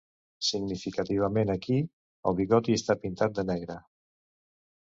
Significativament aquí, el bigoti està pintat de negre.